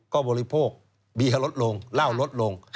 ก็บริโภคเบียร์ลดลงเหล้าลดลง